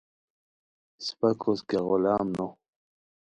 اسپہ کوس کیہ غلام نو